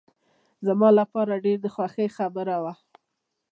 زما لپاره ډېر د خوښۍ خبره وه.